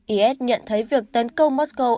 is nhận thấy việc tấn công moscow